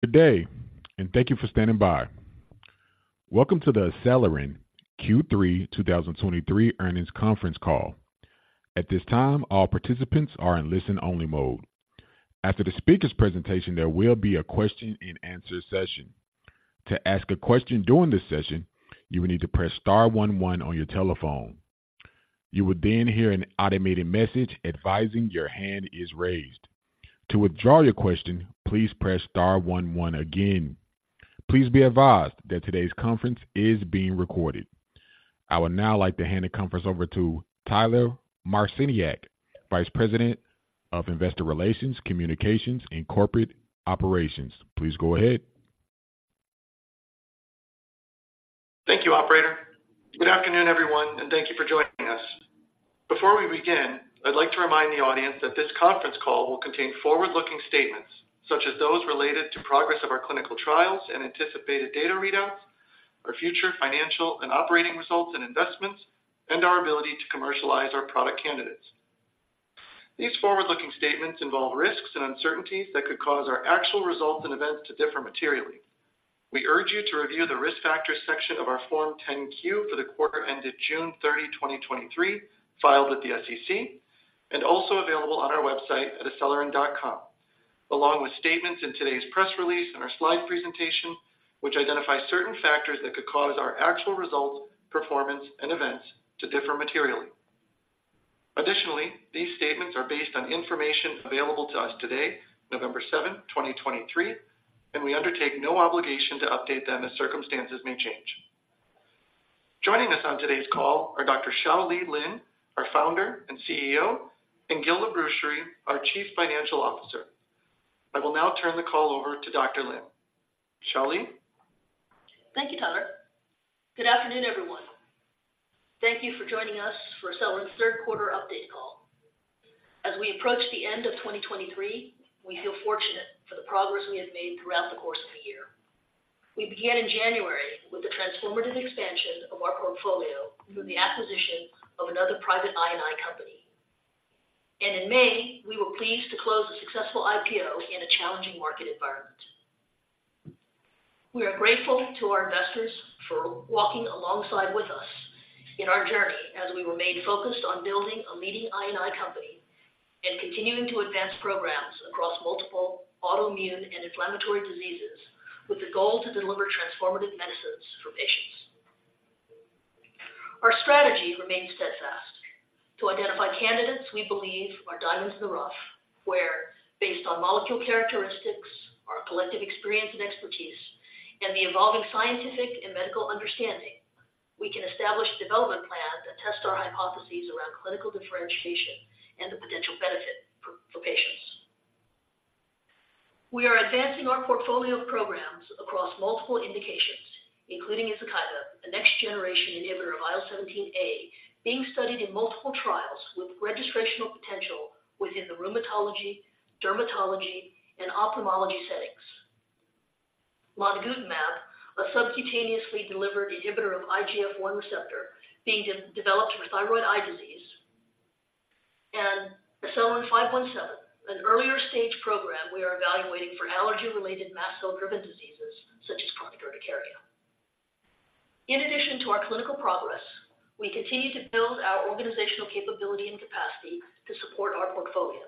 Good day, and thank you for standing by. Welcome to the ACELYRIN Q3 2023 Earnings Conference Call. At this time, all participants are in listen-only mode. After the speaker's presentation, there will be a question-and-answer session. To ask a question during this session, you will need to press star one one on your telephone. You will then hear an automated message advising your hand is raised. To withdraw your question, please press star one one again. Please be advised that today's conference is being recorded. I would now like to hand the conference over to Tyler Marciniak, Vice President of Investor Relations, Communications, and Corporate Operations. Please go ahead. Thank you, operator. Good afternoon, everyone, and thank you for joining us. Before we begin, I'd like to remind the audience that this conference call will contain forward-looking statements, such as those related to progress of our clinical trials and anticipated data readouts, our future financial and operating results and investments, and our ability to commercialize our product candidates. These forward-looking statements involve risks and uncertainties that could cause our actual results and events to differ materially. We urge you to review the Risk Factors section of our Form 10-Q for the quarter ended June 30, 2023, filed with the SEC, and also available on our website at acelyrin.com, along with statements in today's press release and our slide presentation, which identify certain factors that could cause our actual results, performance, and events to differ materially. Additionally, these statements are based on information available to us today, November 7, 2023, and we undertake no obligation to update them as circumstances may change. Joining us on today's call are Dr. Shao-Lee Lin, our founder and CEO, and Gil Labrucherie, our Chief Financial Officer. I will now turn the call over to Dr. Lin. Shao-Lee? Thank you, Tyler. Good afternoon, everyone. Thank you for joining us for ACELYRIN's third quarter update call. As we approach the end of 2023, we feel fortunate for the progress we have made throughout the course of the year. We began in January with the transformative expansion of our portfolio through the acquisition of another private I&I company. In May, we were pleased to close a successful IPO in a challenging market environment. We are grateful to our investors for walking alongside with us in our journey as we remain focused on building a leading I&I company and continuing to advance programs across multiple autoimmune and inflammatory diseases, with the goal to deliver transformative medicines for patients. Our strategy remains steadfast: to identify candidates we believe are diamonds in the rough, where, based on molecule characteristics, our collective experience and expertise, and the evolving scientific and medical understanding, we can establish a development plan that tests our hypotheses around clinical differentiation and the potential benefit for, for patients. We are advancing our portfolio of programs across multiple indications, including izokibep, a next-generation inhibitor of IL-17A, being studied in multiple trials with registrational potential within the rheumatology, dermatology, and ophthalmology settings. Lonigutamab, a subcutaneously delivered inhibitor of IGF-1R being developed for thyroid eye disease, and ACELYRIN-517, an earlier stage program we are evaluating for allergy-related mast cell-driven diseases such as chronic urticaria. In addition to our clinical progress, we continue to build our organizational capability and capacity to support our portfolio.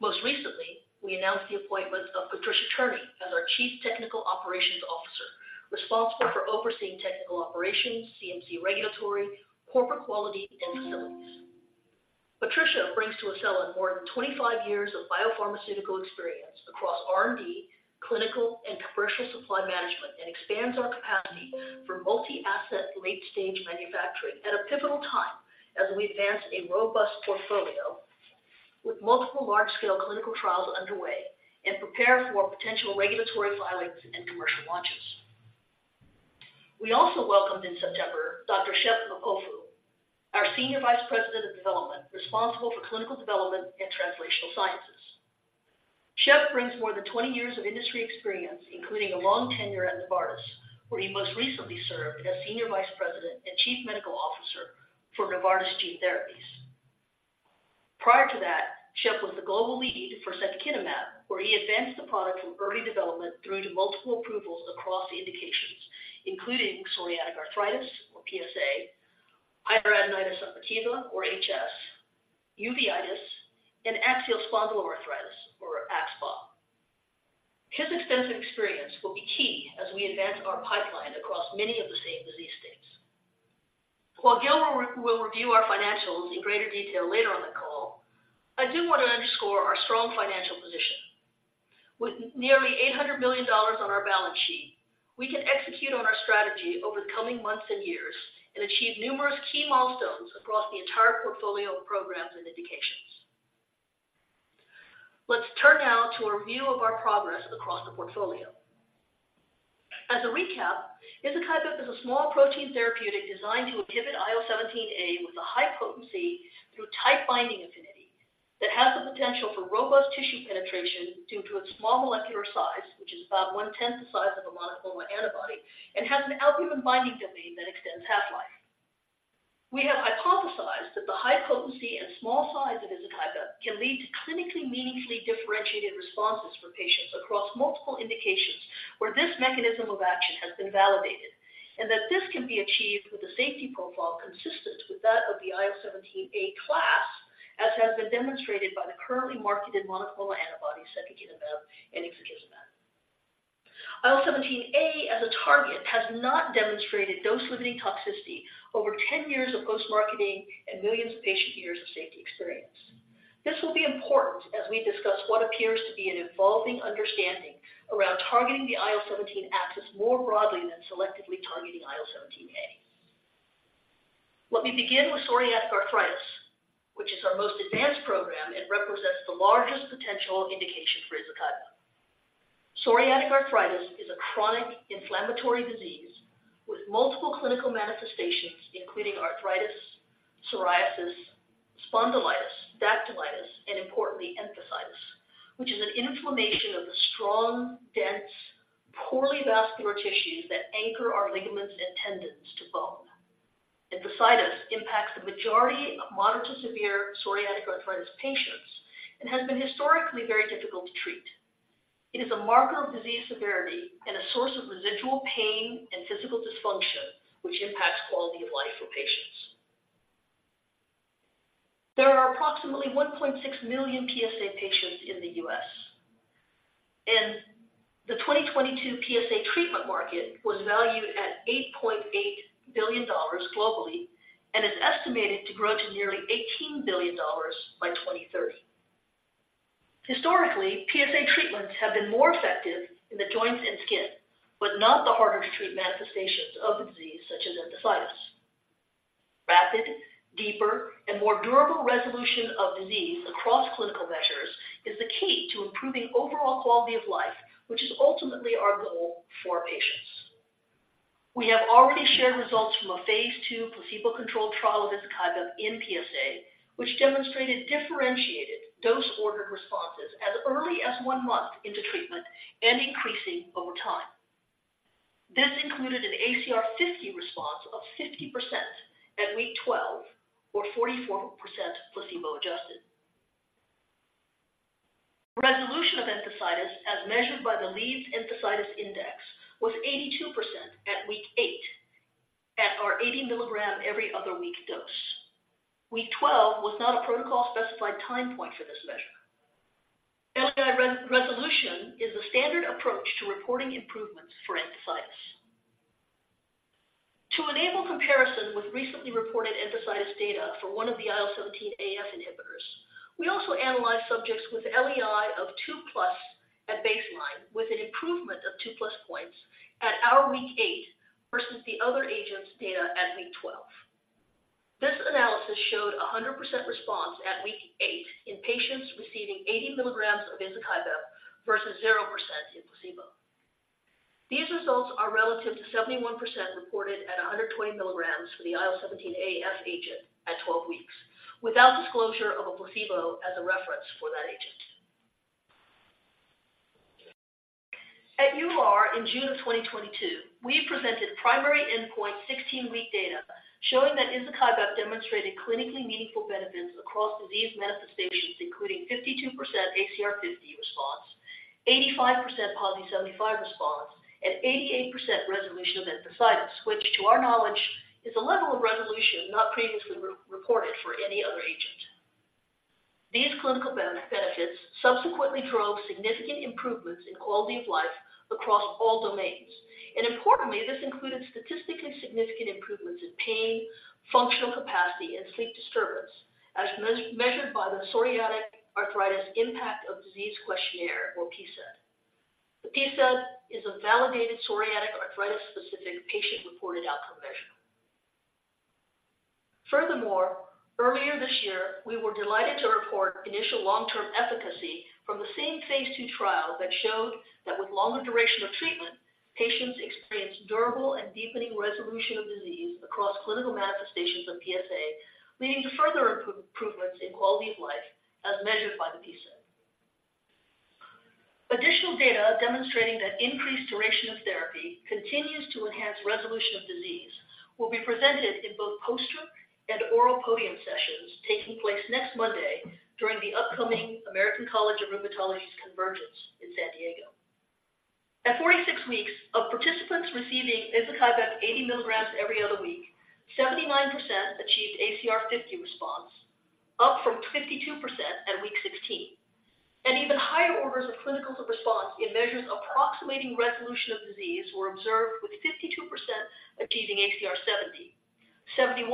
Most recently, we announced the appointment of Patricia Tierney as our Chief Technical Operations Officer, responsible for overseeing technical operations, CMC regulatory, corporate quality, and facilities. Patricia brings to ACELYRIN more than 25 years of biopharmaceutical experience across R&D, clinical, and commercial supply management, and expands our capacity for multi-asset, late-stage manufacturing at a pivotal time as we advance a robust portfolio with multiple large-scale clinical trials underway and prepare for potential regulatory filings and commercial launches. We also welcomed in September, Dr. Shep Mpofu, our Senior Vice President of Development, responsible for clinical development and translational sciences. Shep brings more than 20 years of industry experience, including a long tenure at Novartis, where he most recently served as Senior Vice President and Chief Medical Officer for Novartis Gene Therapies. Prior to that, Shep was the global lead for secukinumab, where he advanced the product from early development through to multiple approvals across indications, including psoriatic arthritis or PsA, hidradenitis suppurativa or HS, uveitis, and axial spondyloarthritis or axSpA. His extensive experience will be key as we advance our pipeline across many of the same disease states. While Gil will review our financials in greater detail later on the call, I do want to underscore our strong financial position. With nearly $800 million on our balance sheet, we can execute on our strategy over the coming months and years and achieve numerous key milestones across the entire portfolio of programs and indications. Let's turn now to a review of our progress across the portfolio. As a recap, izokibep is a small protein therapeutic designed to inhibit IL-17A with high potency through tight binding affinity that has the potential for robust tissue penetration due to its small molecular size, which is about one-tenth the size of a monoclonal antibody and has an albumin binding domain that extends half-life. The high potency and small size of izokibep can lead to clinically meaningfully differentiated responses for patients across multiple indications where this mechanism of action has been validated, and that this can be achieved with a safety profile consistent with that of the IL-17A class, as has been demonstrated by the currently marketed monoclonal antibodies, secukinumab and ixekizumab. IL-17A as a target has not demonstrated dose-limiting toxicity over 10 years of post-marketing and millions of patient years of safety experience. This will be important as we discuss what appears to be an evolving understanding around targeting the IL-17 axis more broadly than selectively targeting IL-17A. Let me begin with psoriatic arthritis, which is our most advanced program and represents the largest potential indication for izokibep. Psoriatic arthritis is a chronic inflammatory disease with multiple clinical manifestations, including arthritis, psoriasis, spondylitis, dactylitis, and importantly, enthesitis, which is an inflammation of the strong, dense, poorly vascular tissues that anchor our ligaments and tendons to bone. Enthesitis impacts the majority of moderate to severe psoriatic arthritis patients and has been historically very difficult to treat. It is a marker of disease severity and a source of residual pain and physical dysfunction, which impacts quality of life for patients. There are approximately 1.6 million PsA patients in the U.S., and the 2022 PsA treatment market was valued at $8.8 billion globally and is estimated to grow to nearly $18 billion by 2030. Historically, PsA treatments have been more effective in the joints and skin, but not the harder-to-treat manifestations of the disease, such as enthesitis. Rapid, deeper, and more durable resolution of disease across clinical measures is the key to improving overall quality of life, which is ultimately our goal for patients. We have already shared results from a phase 2 placebo-controlled trial of izokibep in PsA, which demonstrated differentiated dose-ordered responses as early as 1 month into treatment and increasing over time. This included an ACR50 response of 50% at week 12 or 44% placebo-adjusted. Resolution of enthesitis, as measured by the Leeds Enthesitis Index, was 82% at week 8 at our 80 milligram every other week dose. Week 12 was not a protocol-specified time point for this measure. LEI resolution is the standard approach to reporting improvements for enthesitis. To enable comparison with recently reported emphasitis data for one of the IL-17A/F inhibitors, we also analyzed subjects with LEI of 2+ at baseline, with an improvement of 2+ points at our week 8 versus the other agent's data at week 12. This analysis showed 100% response at week 8 in patients receiving 80 milligrams of izokibep versus 0% in placebo. These results are relative to 71% reported at 120 milligrams for the IL-17A/F agent at 12 weeks, without disclosure of a placebo as a reference for that agent. At EULAR in June 2022, we presented primary endpoint 16-week data showing that izokibep demonstrated clinically meaningful benefits across disease manifestations, including 52% ACR50 response, 85% PASI75 response, and 88% resolution of enthesitis, which to our knowledge is a level of resolution not previously reported for any other agent. These clinical benefits subsequently drove significant improvements in quality of life across all domains, and importantly, this included statistically significant improvements in pain, functional capacity, and sleep disturbance, as measured by the Psoriatic Arthritis Impact of Disease Questionnaire or PsAID. The PsAID is a validated psoriatic arthritis-specific patient-reported outcome measure. Furthermore, earlier this year, we were delighted to report initial long-term efficacy from the same phase two trial that showed that with longer duration of treatment, patients experienced durable and deepening resolution of disease across clinical manifestations of PsA, leading to further improvements in quality of life as measured by the PsAID. Additional data demonstrating that increased duration of therapy continues to enhance resolution of disease will be presented in both poster and oral podium sessions taking place next Monday during the upcoming American College of Rheumatology's Convergence in San Diego. At 46 weeks, of participants receiving izokibep 80 milligrams every other week, 79% achieved ACR50 response, up from 52% at week 16. Even higher orders of clinical response in measures approximating resolution of disease were observed, with 52% achieving ACR70, 71%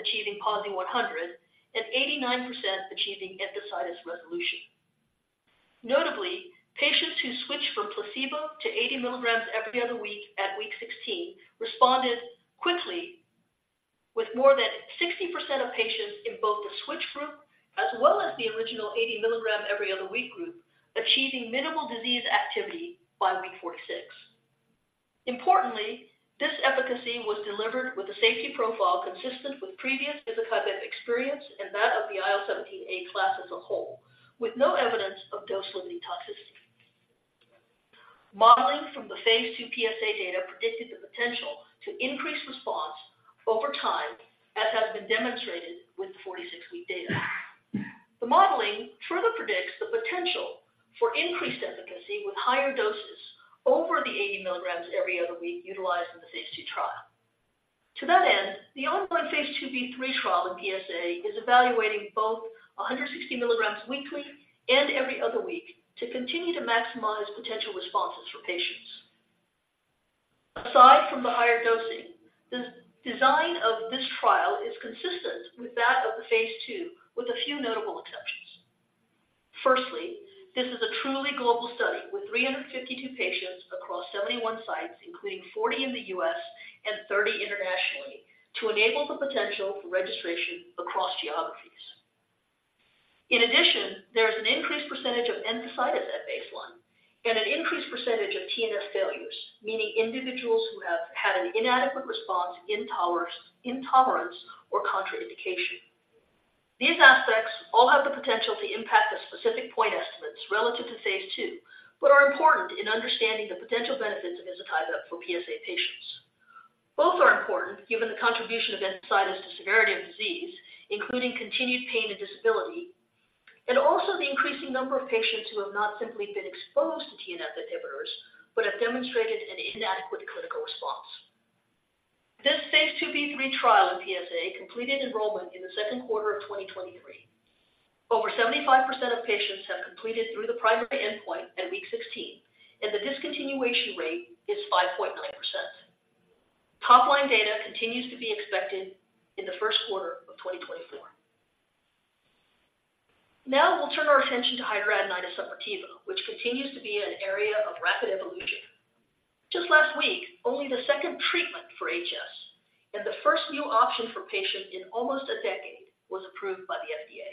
achieving PASI 100, and 89% achieving enthesitis resolution. Notably, patients who switched from placebo to 80 milligrams every other week at week 16 responded quickly, with more than 60% of patients in both the switch group as well as the original 80 milligram every other week group, achieving minimal disease activity by week 46. Importantly, this efficacy was delivered with a safety profile consistent with previous izokibep experience and that of the IL-17A class as a whole, with no evidence of dose-limiting toxicity... modeling from the phase II PsA data predicted the potential to increase response over time, as has been demonstrated with the 46-week data. The modeling further predicts the potential for increased efficacy with higher doses over the 80 milligrams every other week utilized in the phase II trial. To that end, the ongoing phase IIb/III trial in PsA is evaluating both 160 milligrams weekly and every other week to continue to maximize potential responses for patients. Aside from the higher dosing, the design of this trial is consistent with that of the phase II, with a few notable exceptions. Firstly, this is a truly global study with 352 patients across 71 sites, including 40 in the U.S. and 30 internationally, to enable the potential for registration across geographies. In addition, there is an increased percentage of enthesitis at baseline and an increased percentage of TNF failures, meaning individuals who have had an inadequate response, intolerance, or contraindication. These aspects all have the potential to impact the specific point estimates relative to phase II, but are important in understanding the potential benefits of izokibep for PsA patients. Both are important given the contribution of enthesitis to severity of disease, including continued pain and disability, and also the increasing number of patients who have not simply been exposed to TNF inhibitors, but have demonstrated an inadequate clinical response. This phase IIb/III trial in PsA completed enrollment in the second quarter of 2023. Over 75% of patients have completed through the primary endpoint at week 16, and the discontinuation rate is 5.9%. Top-line data continues to be expected in the first quarter of 2024. Now we'll turn our attention to hidradenitis suppurativa, which continues to be an area of rapid evolution. Just last week, only the second treatment for HS and the first new option for patients in almost a decade was approved by the FDA.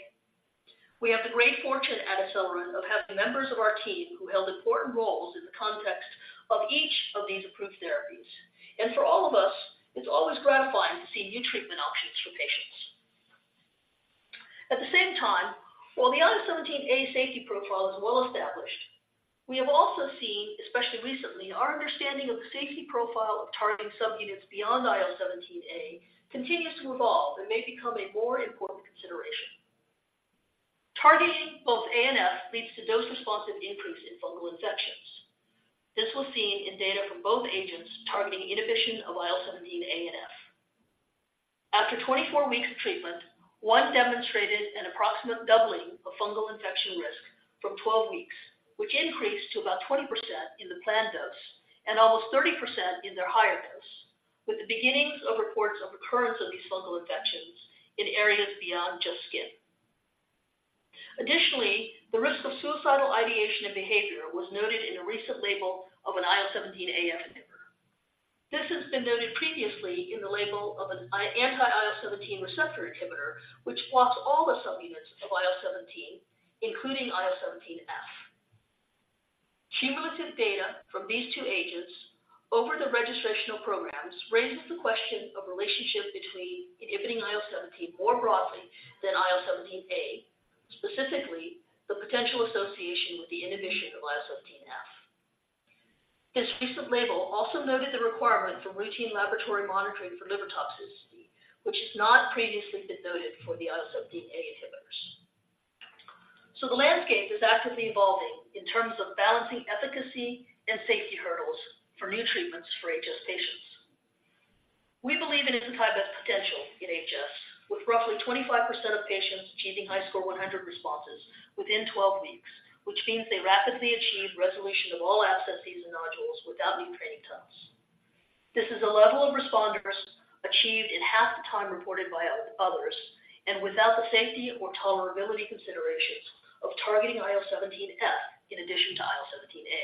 We have the great fortune at ACELYRIN of having members of our team who held important roles in the context of each of these approved therapies, and for all of us, it's always gratifying to see new treatment options for patients. At the same time, while the IL-17A safety profile is well-established, we have also seen, especially recently, our understanding of the safety profile of targeting subunits beyond IL-17A continues to evolve and may become a more important consideration. Targeting both A and F leads to dose-responsive increase in fungal infections. This was seen in data from both agents targeting inhibition of IL-17A and F. After 24 weeks of treatment, one demonstrated an approximate doubling of fungal infection risk from 12 weeks, which increased to about 20% in the planned dose and almost 30% in their higher dose, with the beginnings of reports of recurrence of these fungal infections in areas beyond just skin. Additionally, the risk of suicidal ideation and behavior was noted in a recent label of an IL-17A and IL-17F inhibitor. This has been noted previously in the label of an anti-IL-17 receptor inhibitor, which blocks all the subunits of IL-17, including IL-17F. Cumulative data from these two agents over the registrational programs raises the question of relationship between inhibiting IL-17 more broadly than IL-17A, specifically the potential association with the inhibition of IL-17F. This recent label also noted the requirement for routine laboratory monitoring for liver toxicity, which has not previously been noted for the IL-17A inhibitors. So the landscape is actively evolving in terms of balancing efficacy and safety hurdles for new treatments for HS patients. We believe in izokibep potential in HS, with roughly 25% of patients achieving ISRs 100 responses within 12 weeks, which means they rapidly achieve resolution of all abscesses and nodules without new draining fistulas. This is a level of responders achieved in half the time reported by others, and without the safety or tolerability considerations of targeting IL-17F in addition to IL-17A.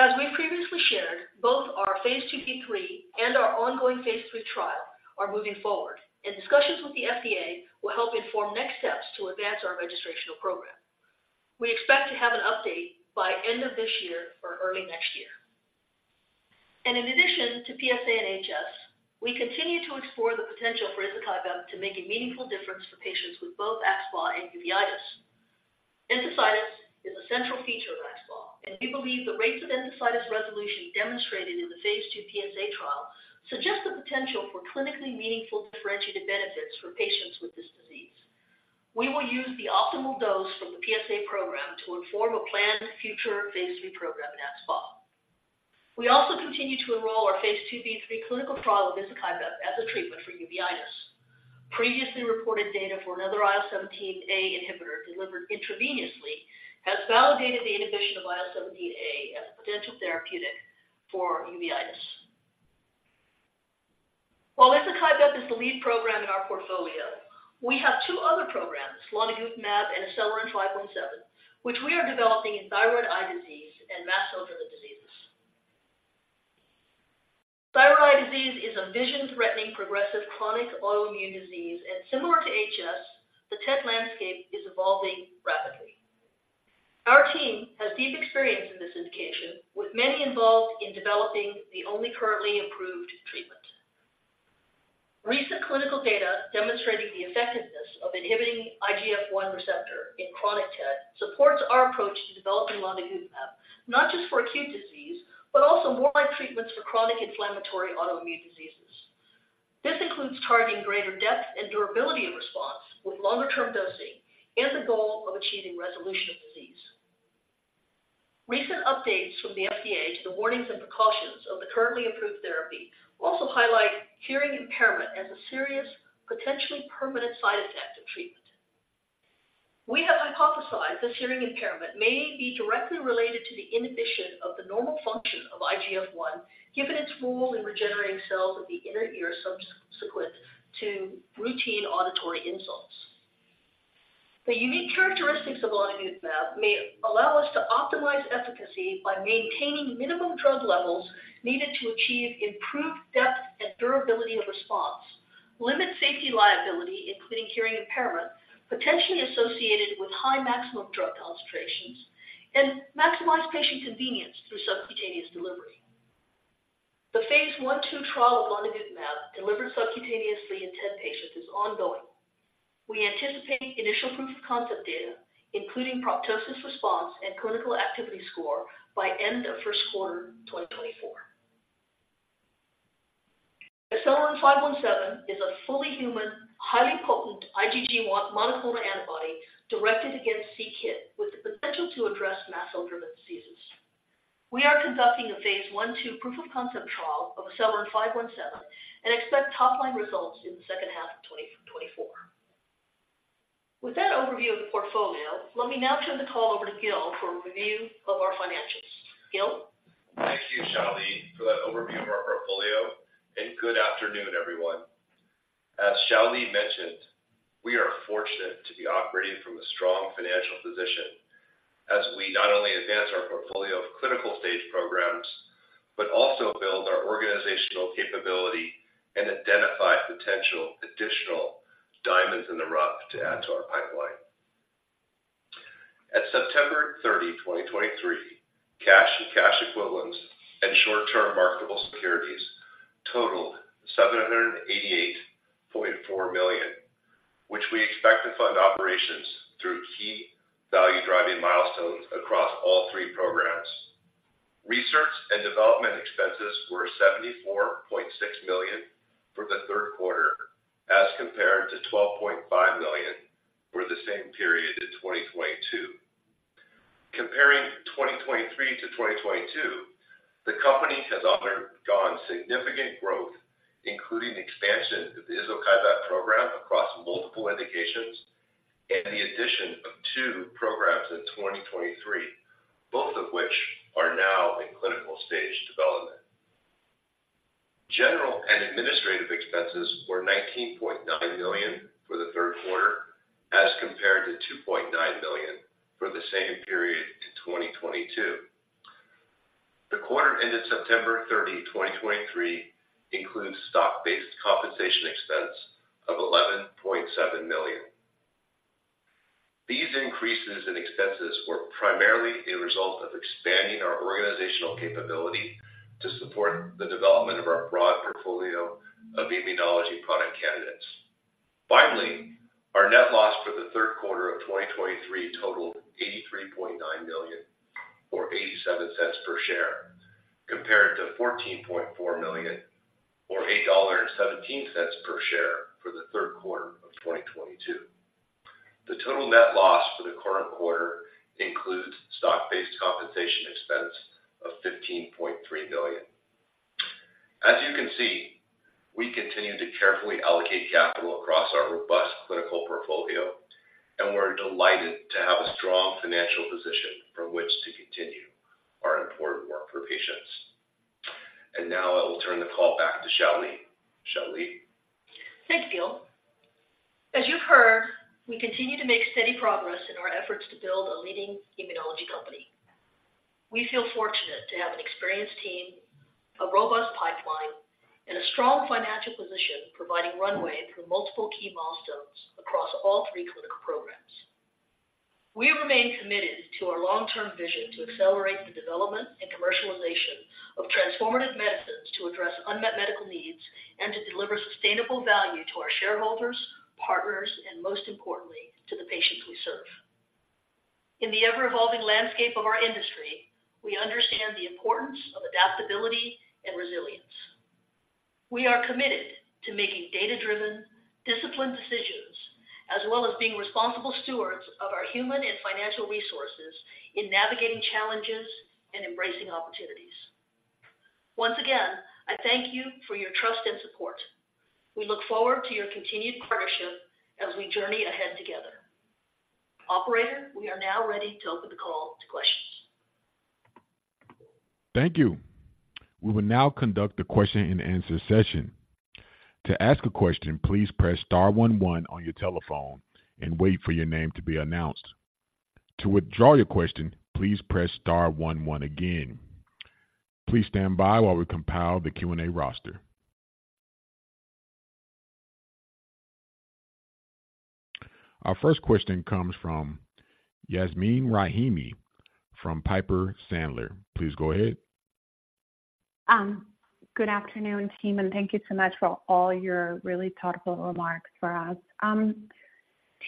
As we previously shared, both our phase IIb/III and our ongoing phase III trial are moving forward, and discussions with the FDA will help inform next steps to advance our registrational program. We expect to have an update by end of this year or early next year. In addition to PsA and HS, we continue to explore the potential for izokibep to make a meaningful difference for patients with both axSpA and uveitis. Enthesitis is a central feature of axSpA, and we believe the rates of enthesitis resolution demonstrated in the phase II PsA trial suggest the potential for clinically meaningful differentiated benefits for patients with this disease. We will use the optimal dose from the PsA program to inform a planned future phase III program in axSpA. We also continue to enroll our phase IIb/III clinical trial of izokibep as a treatment for uveitis. Previously reported data for another IL-17A inhibitor delivered intravenously has validated the inhibition of IL-17A as a potential therapeutic for uveitis. While izokibep is the lead program in our portfolio, we have two other programs, lonigutamab and ACELYRIN-517, which we are developing in thyroid eye disease and mast cell disease. Thyroid eye disease is a vision-threatening, progressive, chronic autoimmune disease, and similar to HS, the TED landscape is evolving rapidly. Our team has deep experience in this indication, with many involved in developing the only currently approved treatment. Recent clinical data demonstrating the effectiveness of inhibiting IGF-1R in chronic TED supports our approach to developing lonigutamab, not just for acute disease, but also more treatments for chronic inflammatory autoimmune diseases. This includes targeting greater depth and durability of response with longer-term dosing and the goal of achieving resolution of disease. Recent updates from the FDA to the warnings and precautions of the currently approved therapy also highlight hearing impairment as a serious, potentially permanent side effect of treatment. We have hypothesized this hearing impairment may be directly related to the inhibition of the normal function of IGF-1, given its role in regenerating cells of the inner ear subsequent to routine auditory insults. The unique characteristics of lonigutamab may allow us to optimize efficacy by maintaining minimum drug levels needed to achieve improved depth and durability of response, limit safety liability, including hearing impairment, potentially associated with high maximum drug concentrations, and maximize patient convenience through subcutaneous delivery. The phase one/two trial of lonigutamab, delivered subcutaneously in 10 patients, is ongoing. We anticipate initial proof of concept data, including proptosis response and clinical activity score, by end of first quarter 2024. ACELYRIN-517 is a fully human, highly potent IgG1 monoclonal antibody directed against c-KIT, with the potential to address mast cell-driven diseases. We are conducting a phase 1/2 proof of concept trial of ACELYRIN-517 and expect top-line results in the second half of 2024. With that overview of the portfolio, let me now turn the call over to Gil for a review of our financials. Gil? Thank you, Shao-Lee, for that overview of our portfolio, and good afternoon, everyone. As Shao-Lee mentioned, we are fortunate to be operating from a strong financial position as we not only advance our portfolio of clinical stage programs, but also build our organizational capability and identify potential additional diamonds in the rough to add to our pipeline. At September 30, 2023, cash and cash equivalents and short-term marketable securities totaled $788.4 million, which we expect to fund operations through key value-driving milestones across all three programs. Research and development expenses were $74.6 million for the third quarter, as compared to $12.5 million for the same period in 2022. Comparing 2023 to 2022, the company has undergone significant growth, including expansion of the izokibep program across multiple indications and the addition of two programs in 2023, both of which are now in clinical stage development. General and administrative expenses were $19.9 million for the third quarter, as compared to $2.9 million for the same period in 2022. The quarter ended September 30, 2023, includes stock-based compensation expense of $11.7 million. These increases in expenses were primarily a result of expanding our organizational capability to support the development of our broad portfolio of immunology product candidates. Finally, our net loss for the third quarter of 2023 totaled $83.9 million, or $0.87 per share, compared to $14.4 million, or $8.17 per share, for the third quarter of 2022. The total net loss for the current quarter includes stock-based compensation expense of $15.3 million. As you can see, we continue to carefully allocate capital across our robust clinical portfolio, and we're delighted to have a strong financial position from which to continue our important work for patients. And now I will turn the call back to Shao-Lee. Shao-Lee? Thanks, Gil. As you've heard, we continue to make steady progress in our efforts to build a leading immunology company. We feel fortunate to have an experienced team, a robust pipeline, and a strong financial position, providing runway for multiple key milestones across all three clinical programs. We remain committed to our long-term vision to accelerate the development and commercialization of transformative medicines, to address unmet medical needs, and to deliver sustainable value to our shareholders, partners, and most importantly, to the patients we serve. In the ever-evolving landscape of our industry, we understand the importance of adaptability and resilience. We are committed to making data-driven, disciplined decisions, as well as being responsible stewards of our human and financial resources in navigating challenges and embracing opportunities. Once again, I thank you for your trust and support. We look forward to your continued partnership as we journey ahead together. Operator, we are now ready to open the call to questions. Thank you. We will now conduct a question-and-answer session. To ask a question, please press star one one on your telephone and wait for your name to be announced. To withdraw your question, please press star one one again. Please stand by while we compile the Q&A roster.... Our first question comes from Yasmeen Rahimi from Piper Sandler. Please go ahead. Good afternoon, team, and thank you so much for all your really thoughtful remarks for us.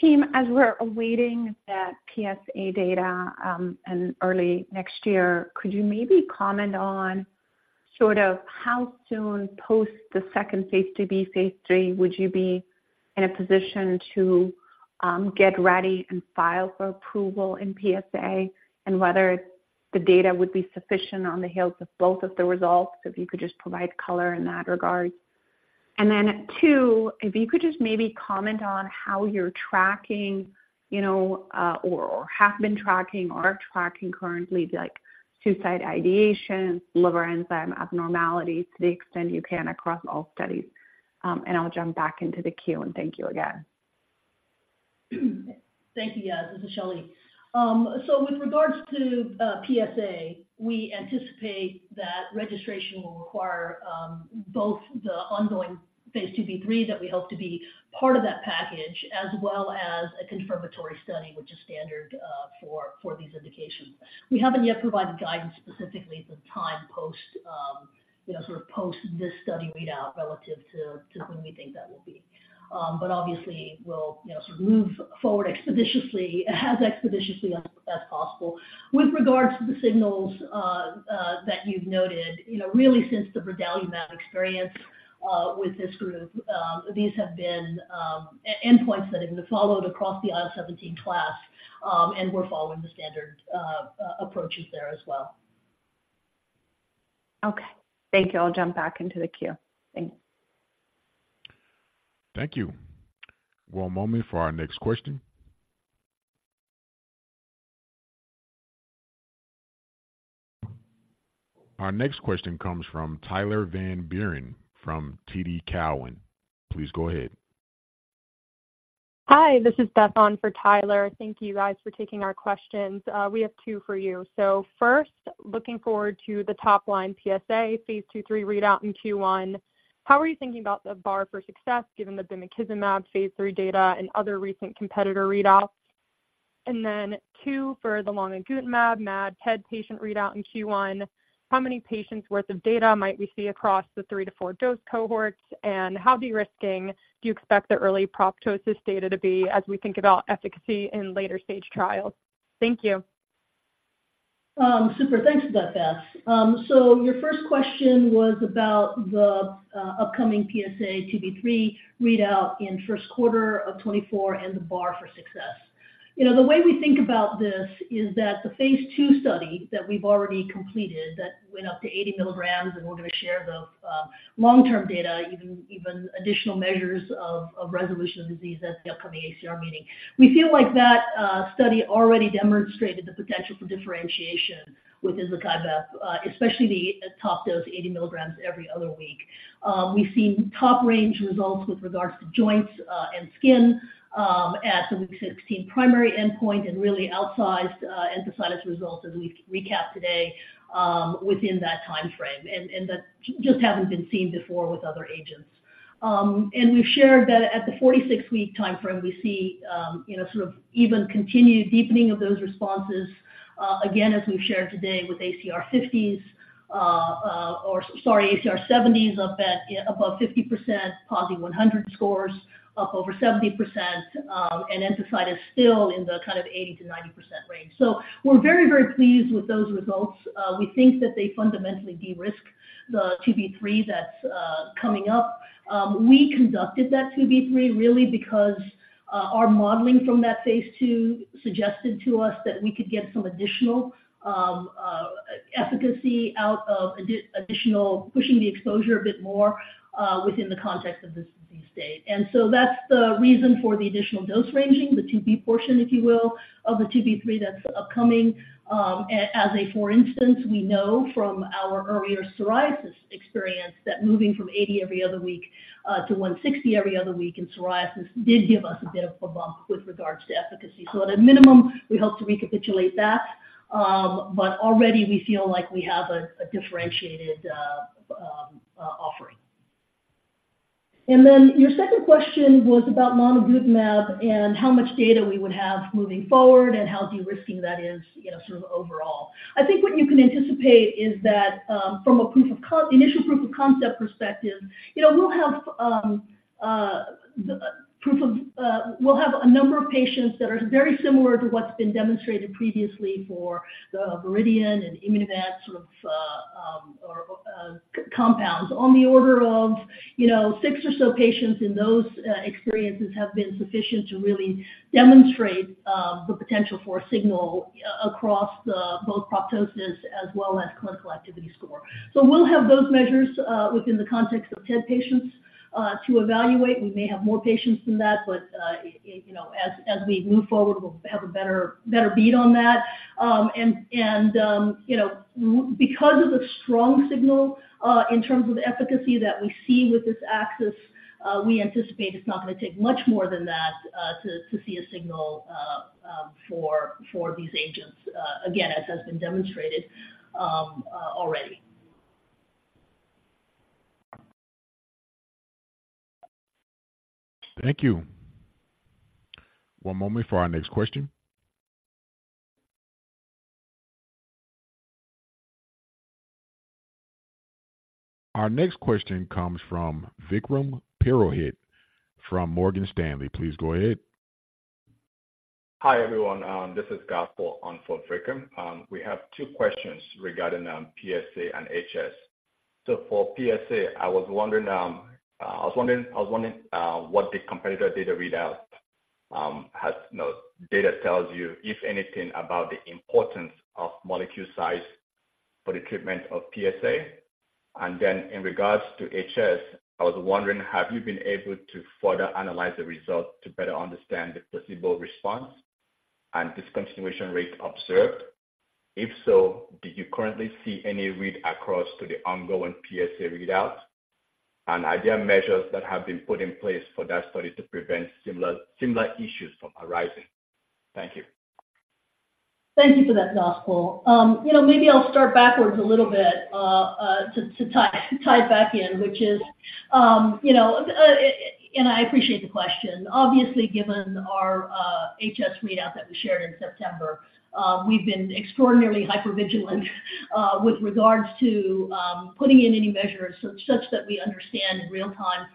Team, as we're awaiting that PsA data in early next year, could you maybe comment on sort of how soon post the second safety DB, phase three, would you be in a position to get ready and file for approval in PsA? And whether the data would be sufficient on the heels of both of the results, if you could just provide color in that regard. And then two, if you could just maybe comment on how you're tracking, you know, or have been tracking or are tracking currently, like suicide ideation, liver enzyme abnormalities, to the extent you can across all studies. And I'll jump back into the queue, and thank you again. Thank you, Yas. This is Shao-Lee. So with regards to PSA, we anticipate that registration will require both the ongoing phase 2/3, that we hope to be part of that package, as well as a confirmatory study, which is standard for these indications. We haven't yet provided guidance, specifically the time post, you know, sort of post this study readout relative to when we think that will be. But obviously we'll, you know, sort of move forward expeditiously, as expeditiously as possible. With regards to the signals that you've noted, you know, really, since the brodalumab experience with this group, these have been endpoints that have been followed across the IL-17 class, and we're following the standard approaches there as well. Okay, thank you. I'll jump back into the queue. Thanks. Thank you. One moment for our next question. Our next question comes from Tyler Van Buren, from TD Cowen. Please go ahead. Hi, this is Beth on for Tyler. Thank you guys for taking our questions. We have 2 for you. So first, looking forward to the top line PSA phase 2/3 readout in Q1, how are you thinking about the bar for success, given the bimekizumab phase 3 data and other recent competitor readouts? And then 2, for the lonigutamab MAD healthy patient readout in Q1, how many patients worth of data might we see across the 3-4 dose cohorts? And how de-risking do you expect the early proptosis data to be as we think about efficacy in later stage trials? Thank you. Super. Thanks for that, Beth. So your first question was about the upcoming PsA 2/3 readout in first quarter of 2024 and the bar for success. You know, the way we think about this is that the phase 2 study that we've already completed, that went up to 80 milligrams, and we're going to share the long-term data, even additional measures of resolution of disease at the upcoming ACR meeting. We feel like that study already demonstrated the potential for differentiation within the kind of, especially the top dose, 80 milligrams every other week. We've seen top-range results with regards to joints and skin at the week 16 primary endpoint and really outsized enthesitis results, as we've recapped today, within that time frame, and that just haven't been seen before with other agents. And we've shared that at the 46-week time frame, we see, you know, sort of even continued deepening of those responses, again, as we've shared today with ACR 50s, or sorry, ACR 70s up at above 50%, PASI 100 scores up over 70%, and enthesitis still in the kind of 80%-90% range. So we're very, very pleased with those results. We think that they fundamentally de-risk the 2/3 that's coming up. We conducted that 2/3, really, because our modeling from that phase 2 suggested to us that we could get some additional efficacy out of additional pushing the exposure a bit more, within the context of this disease state. That's the reason for the additional dose ranging, the 2/P portion, if you will, of the 2/P 3 that's upcoming. As a for instance, we know from our earlier psoriasis experience that moving from 80 every other week to 160 every other week in psoriasis did give us a bit of a bump with regards to efficacy. At a minimum, we hope to recapitulate that, but already we feel like we have a differentiated offering. Then your second question was about lonigutamab and how much data we would have moving forward and how de-risking that is, you know, sort of overall. I think what you can anticipate is that, from an initial proof of concept perspective, you know, we'll have a number of patients that are very similar to what's been demonstrated previously for the Viridian and Immunovaccine, sort of, or, compounds. On the order of, you know, 6 or so patients in those experiences have been sufficient to really demonstrate the potential for a signal across both proptosis as well as clinical activity score. So we'll have those measures within the context of 10 patients to evaluate. We may have more patients than that, but, you know, as we move forward, we'll have a better bead on that. you know, because of the strong signal in terms of efficacy that we see with this axis, we anticipate it's not going to take much more than that to see a signal for these agents, again, as has been demonstrated already. Thank you. One moment for our next question. Our next question comes from Vikram Purohit from Morgan Stanley. Please go ahead. Hi, everyone. This is Gospel on for Vikram. We have two questions regarding PSA and HS. So for PSA, I was wondering what the competitor data readout has—no, data tells you, if anything, about the importance of molecule size for the treatment of PSA? And then in regards to HS, I was wondering, have you been able to further analyze the results to better understand the placebo response and discontinuation rate observed? If so, do you currently see any read across to the ongoing PSA readout? And are there measures that have been put in place for that study to prevent similar issues from arising? Thank you. Thank you for that, Gospel. You know, maybe I'll start backwards a little bit to tie it back in, which is, and I appreciate the question. Obviously, given our HS readout that we shared in September, we've been extraordinarily hypervigilant with regards to putting in any measures such that we understand in real time,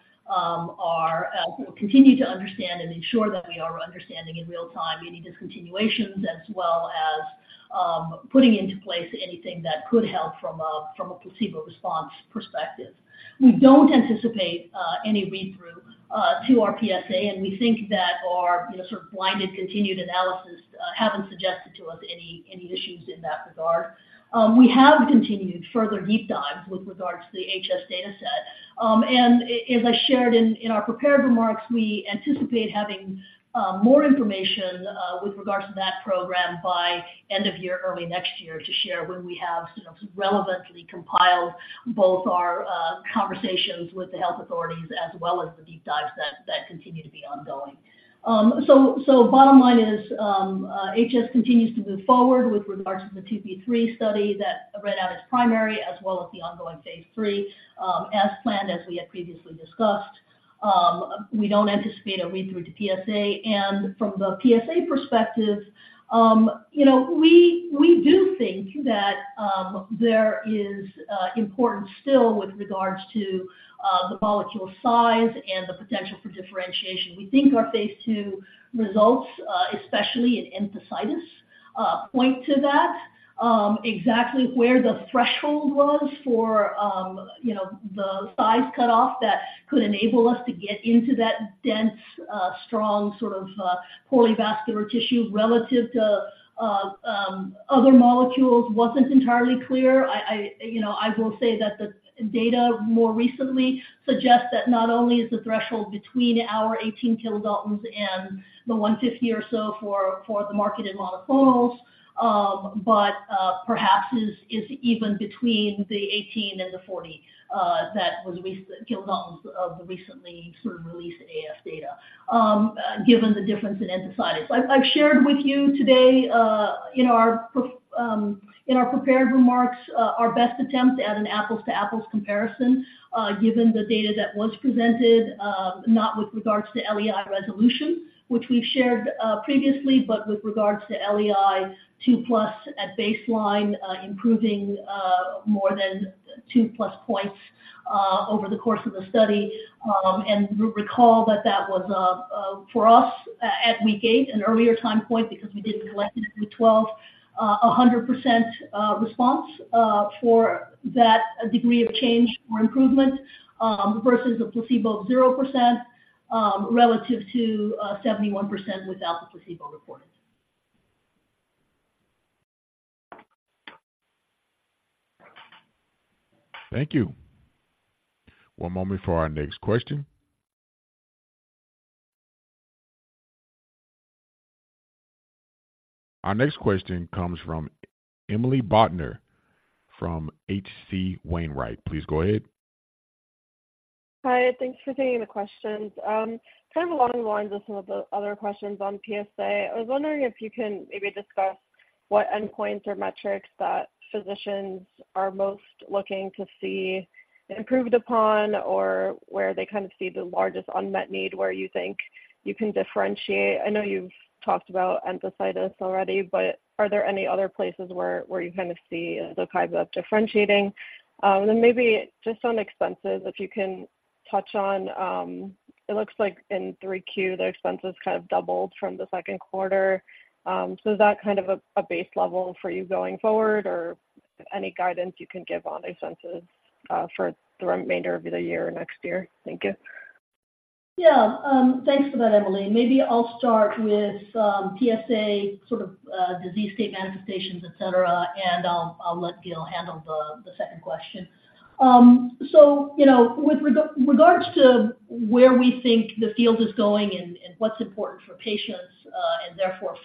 continue to understand and ensure that we are understanding in real time any discontinuations as well as putting into place anything that could help from a placebo response perspective. We don't anticipate any read-through to our PSA, and we think that our, you know, sort of blinded continued analysis haven't suggested to us any issues in that regard. We have continued further deep dives with regards to the HS dataset. As I shared in our prepared remarks, we anticipate having more information with regards to that program by end of year, early next year, to share when we have sort of relevantly compiled both our conversations with the health authorities as well as the deep dives that continue to be ongoing. So bottom line is, HS continues to move forward with regards to the TP-3 study that read out as primary, as well as the ongoing phase 3, as planned, as we had previously discussed. We don't anticipate a read-through to PsA. And from the PsA perspective, you know, we do think that there is importance still with regards to the molecule size and the potential for differentiation. We think our phase 2 results, especially in enthesitis, point to that. Exactly where the threshold was for, you know, the size cutoff that could enable us to get into that dense, strong sort of polyvascular tissue relative to other molecules wasn't entirely clear. You know, I will say that the data more recently suggests that not only is the threshold between our 18 kilodaltons and the 150 or so for the marketed monoclonals, but perhaps is even between the 18 and the 40 kilodaltons of the recently sort of released axSpA data, given the difference in enthesitis. I've shared with you today, in our prepared remarks, our best attempt at an apples to apples comparison, given the data that was presented, not with regards to LEI resolution, which we've shared previously, but with regards to LEI 2+ at baseline, improving more than 2+ points over the course of the study. And recall that was for us at week 8, an earlier time point, because we didn't collect it through 12, 100% response for that degree of change or improvement, versus a placebo of 0%, relative to 71% without the placebo reported. Thank you. One moment for our next question. Our next question comes from Emily Bodnar from HC Wainwright. Please go ahead. Hi, thanks for taking the questions. Kind of along the lines of some of the other questions on PSA, I was wondering if you can maybe discuss what endpoints or metrics that physicians are most looking to see improved upon or where they kind of see the largest unmet need, where you think you can differentiate. I know you've talked about enthesitis already, but are there any other places where you kind of see those kinds of differentiating? And then maybe just on expenses, if you can touch on, it looks like in Q3, the expenses kind of doubled from the second quarter. So is that kind of a base level for you going forward, or any guidance you can give on expenses for the remainder of the year or next year? Thank you. Yeah. Thanks for that, Emily. Maybe I'll start with PsA sort of disease state manifestations, et cetera, and I'll let Gil handle the second question. So, you know, with regards to where we think the field is going and what's important for patients, and therefore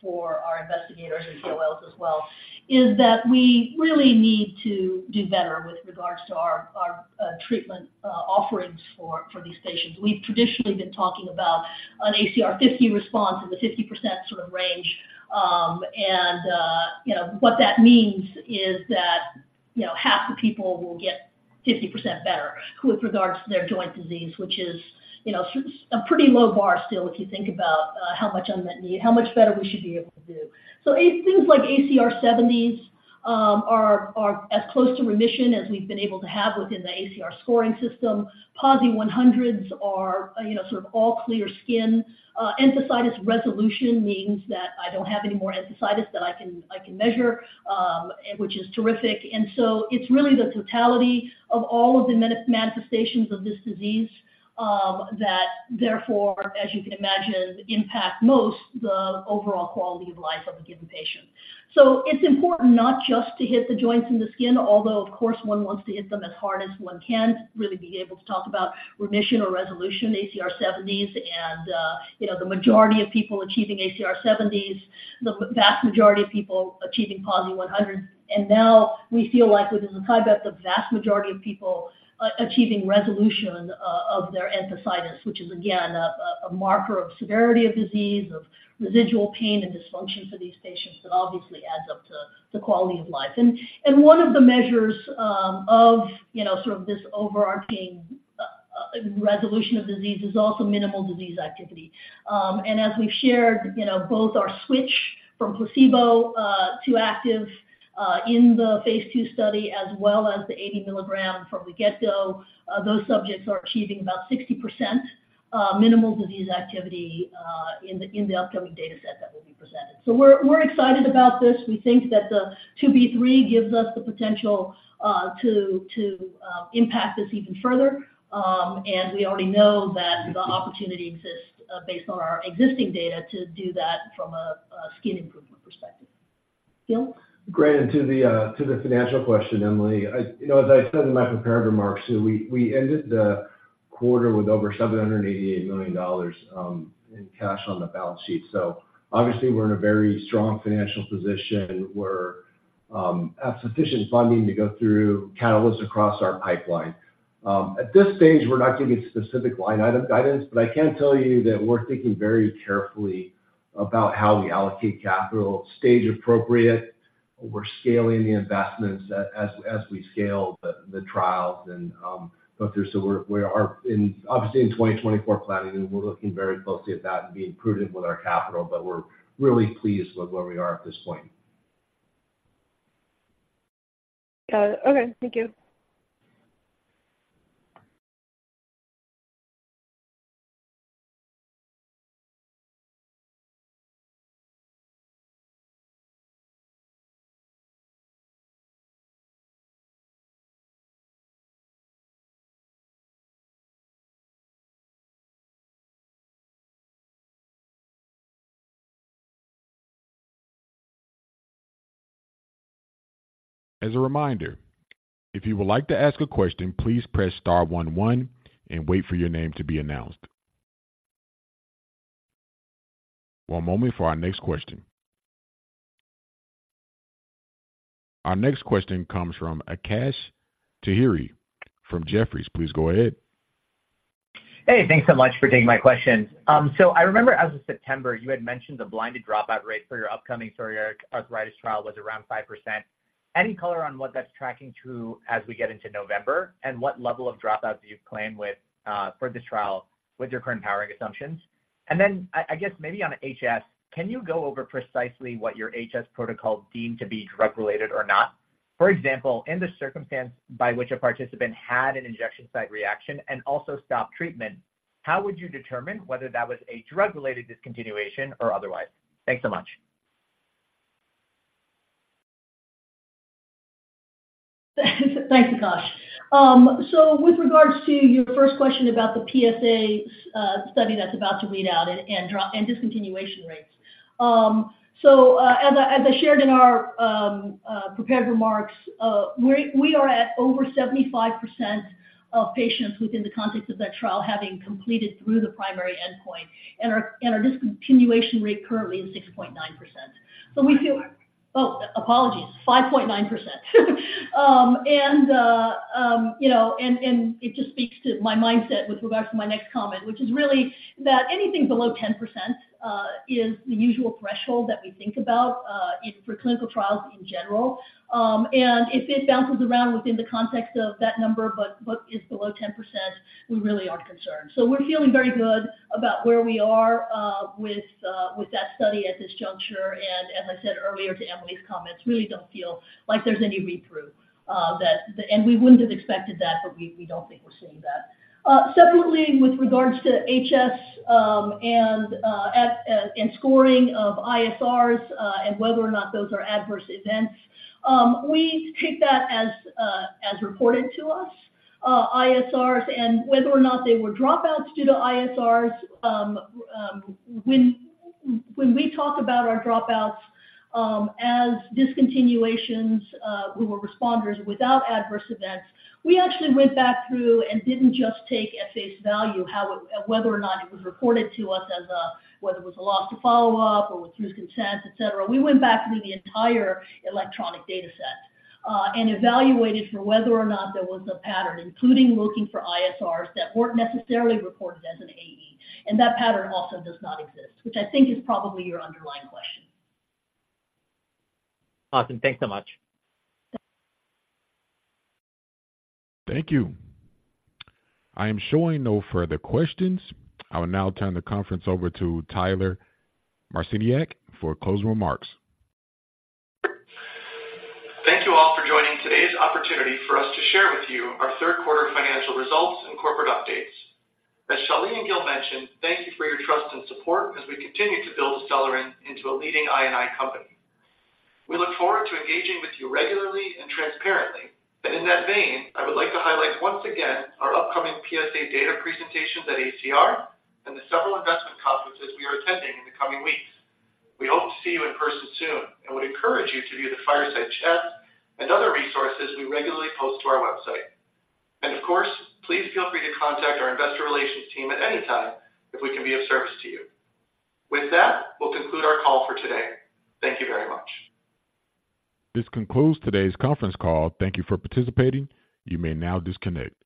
for our investigators and KOLs as well, is that we really need to do better with regards to our treatment offerings for these patients. We've traditionally been talking about an ACR50 response in the 50% sort of range.... And, you know, what that means is that, you know, half the people will get 50% better with regards to their joint disease, which is, you know, a pretty low bar still, if you think about how much unmet need, how much better we should be able to do. So things like ACR70s are as close to remission as we've been able to have within the ACR scoring system. PASI 100 are, you know, sort of all clear skin. Enthesitis resolution means that I don't have any more enthesitis that I can measure, which is terrific. And so it's really the totality of all of the manifestations of this disease that therefore, as you can imagine, impact most the overall quality of life of a given patient. So it's important not just to hit the joints and the skin, although, of course, one wants to hit them as hard as one can, really be able to talk about remission or resolution, ACR70s, and, you know, the majority of people achieving ACR70s, the vast majority of people achieving PASI 100. And now we feel like within the subset, the vast majority of people, achieving resolution, of their enthesitis, which is, again, a marker of severity of disease, of residual pain and dysfunction for these patients, that obviously adds up to the quality of life. And one of the measures, of, you know, sort of this overarching, resolution of disease is also minimal disease activity. And as we've shared, you know, both our switch from placebo to active in the phase 2 study, as well as the 80 milligrams from the get-go, those subjects are achieving about 60% minimal disease activity in the upcoming data set that will be presented. So we're excited about this. We think that the 2B3 gives us the potential to impact this even further. And we already know that the opportunity exists based on our existing data, to do that from a skin improvement perspective. Gil? Great. And to the financial question, Emily, I... You know, as I said in my prepared remarks, we ended the quarter with over $788 million in cash on the balance sheet. So obviously, we're in a very strong financial position, we have sufficient funding to go through catalysts across our pipeline. At this stage, we're not giving specific line item guidance, but I can tell you that we're thinking very carefully about how we allocate capital, stage appropriate. We're scaling the investments as we scale the trials and go through. So we are obviously in 2024 planning, and we're looking very closely at that and being prudent with our capital, but we're really pleased with where we are at this point. Got it. Okay, thank you. As a reminder, if you would like to ask a question, please press star one one and wait for your name to be announced. One moment for our next question. Our next question comes from Akash Tewari from Jefferies. Please go ahead. Hey, thanks so much for taking my question. So I remember as of September, you had mentioned the blinded dropout rate for your upcoming psoriatic arthritis trial was around 5%. Any color on what that's tracking to as we get into November? And what level of dropouts do you claim with for this trial with your current powering assumptions? And then, I guess maybe on HS, can you go over precisely what your HS protocol deemed to be drug-related or not? For example, in the circumstance by which a participant had an injection site reaction and also stopped treatment, how would you determine whether that was a drug-related discontinuation or otherwise? Thanks so much. Thanks, Akash. So with regards to your first question about the PsA study that's about to read out and drop and discontinuation rates. So, as I shared in our prepared remarks, we are at over 75% of patients within the context of that trial, having completed through the primary endpoint, and our discontinuation rate currently is 6.9%. So we feel... Oh, apologies, 5.9%. And, you know, and it just speaks to my mindset with regards to my next comment, which is really that anything below 10% is the usual threshold that we think about for clinical trials in general. And if it bounces around within the context of that number, but is below 10%, we really aren't concerned. So we're feeling very good about where we are with that study at this juncture, and as I said earlier to Emily's comments, really don't feel like there's any read-through that. And we wouldn't have expected that, but we don't think we're seeing that. Separately, with regards to HS and scoring of HiSCR and whether or not those are adverse events, we take that as reported to us, HiSCR and whether or not they were dropouts due to HiSCR. When we talk about our dropouts as discontinuations, we were responders without adverse events. We actually went back through and didn't just take at face value whether or not it was reported to us as whether it was a loss to follow-up or with consent, et cetera. We went back through the entire electronic data set, and evaluated for whether or not there was a pattern, including looking for ISRS that weren't necessarily reported as an AE, and that pattern also does not exist, which I think is probably your underlying question. Awesome. Thanks so much. Thank you. I am showing no further questions. I will now turn the conference over to Tyler Marciniak for closing remarks. Thank you all for joining today's opportunity for us to share with you our third quarter financial results and corporate updates. As Shelley and Gil mentioned, thank you for your trust and support as we continue to build ACELYRIN into a leading I&I company. We look forward to engaging with you regularly and transparently. But in that vein, I would like to highlight once again our upcoming PSA data presentations at ACR and the several investment conferences we are attending in the coming weeks. We hope to see you in person soon and would encourage you to view the Fireside Chat and other resources we regularly post to our website. And of course, please feel free to contact our investor relations team at any time if we can be of service to you. With that, we'll conclude our call for today. Thank you very much. This concludes today's conference call. Thank you for participating. You may now disconnect.